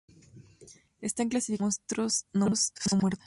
Están clasificados como monstruos no muertos.